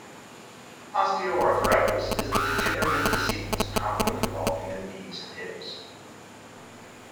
Osteoarthritis is a degenerative disease commonly involving the knees and hips.